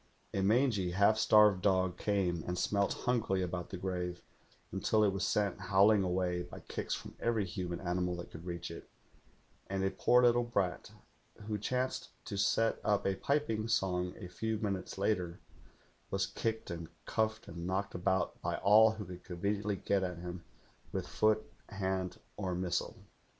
A mangy, 122 THE GHOUL half starved dog came and smelt hungrily about the grave, until it was sent howling away by kicks from every human animal that could reach it; and a poor little brat, who chanced to set up a piping song a few minutes later, was kicked and cuffed and knocked about by all who could conveniently get at him with foot, hand, or missile.